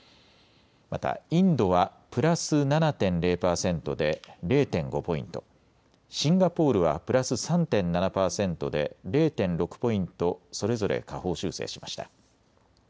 またインドはプラス７．０％で０．５ポイント、シンガポールはプラス３．７％で０．６ポイント、それぞれ下方修正しました。